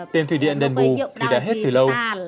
tiền thủy điện đền bù thì đã hết từ lâu